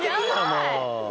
もう。